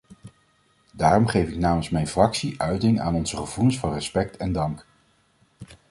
Daarom geef ik namens mijn fractie uiting aan onze gevoelens van respect en dank.